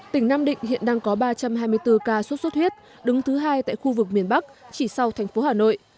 tỉnh nam định hiện đang có ba trăm hai mươi bốn ca sốt xuất huyết đứng thứ hai tại khu vực miền bắc chỉ sau thành phố hà nội